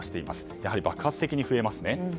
やはり爆発的に増えますね。